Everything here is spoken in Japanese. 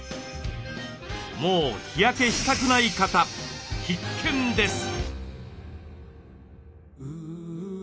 もう日焼けしたくない方必見です。